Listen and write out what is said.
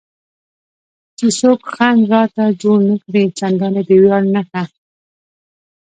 چې څوک خنډ راته جوړ نه کړي، چندانې د ویاړ نښه.